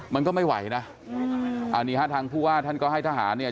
มันก็ไม่ไหวนะอันนี้ฮะทางผู้ว่าท่านก็ให้ทหารเนี่ย